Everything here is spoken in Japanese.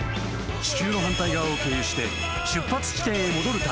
［地球の反対側を経由して出発地点へ戻る旅］